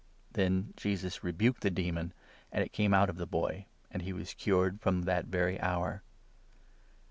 Then Jesus rebuked the demon, and it came out of the boy ; and he was cured from that very hour.